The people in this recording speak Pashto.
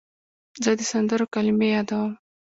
زه د سندرو کلمې یادوم.